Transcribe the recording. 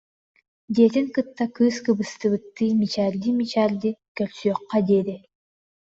диэтин кытта, кыыс кыбыстыбыттыы, мичээрдии-мичээрдии: «Көрсүөххэ диэри»